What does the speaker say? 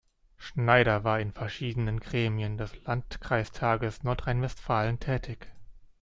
Schneider war in verschiedenen Gremien des Landkreistages Nordrhein-Westfalen tätig.